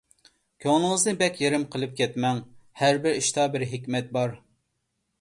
كۆڭلىڭىزنى بەك يېرىم قىلىپ كەتمەڭ، ھەربىر ئىشتا بىر ھېكمەت بار.